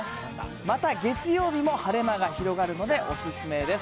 また月曜日も晴れ間が広がるので、お勧めです。